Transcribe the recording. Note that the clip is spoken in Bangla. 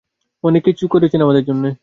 অনেককিছু করেছেন আমাদের জন্যে।